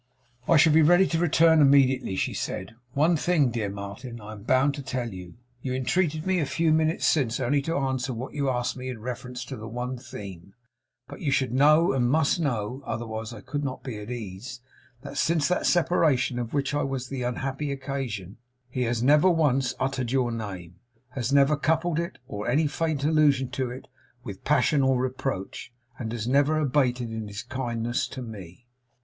'I shall be ready to return immediately,' she said. 'One thing, dear Martin, I am bound to tell you. You entreated me a few minutes since only to answer what you asked me in reference to one theme, but you should and must know (otherwise I could not be at ease) that since that separation of which I was the unhappy occasion, he has never once uttered your name; has never coupled it, or any faint allusion to it, with passion or reproach; and has never abated in his kindness to me.